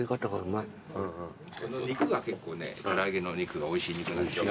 肉が結構ね唐揚げの肉がおいしい肉なんですよ。